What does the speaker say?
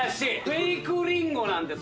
フェイクリンゴなんて。